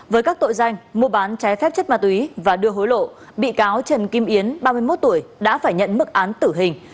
với các tội danh mua bán trái phép chất ma túy và đưa hối lộ bị cáo trần kim yến ba mươi một tuổi đã phải nhận mức án tử hình